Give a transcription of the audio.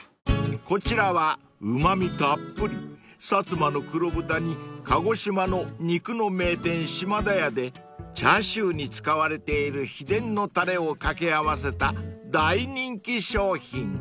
［こちらはうま味たっぷり薩摩の黒豚に鹿児島の肉の名店島田屋でチャーシューに使われている秘伝のたれを掛け合わせた大人気商品］